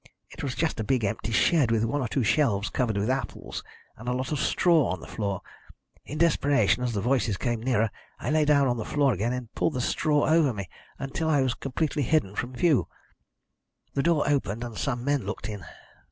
It was just a big empty shed with one or two shelves covered with apples, and a lot of straw on the floor. In desperation, as the voices came nearer, I lay down on the floor again, and pulled straw over me till I was completely hidden from view. "The door opened, and some men looked in.